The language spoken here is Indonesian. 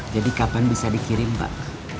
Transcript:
jadi kapan bisa dikirim pak